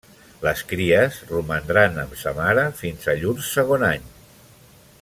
Les cries romandran amb sa mare fins a llur segon any.